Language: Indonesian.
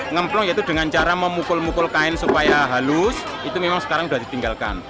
ngeplong yaitu dengan cara memukul mukul kain supaya halus itu memang sekarang sudah ditinggalkan